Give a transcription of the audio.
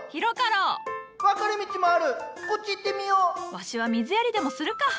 わしは水やりでもするか。